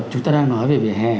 chúng ta đang nói về vẻ hè